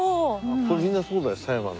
これみんなそうだよ狭山の。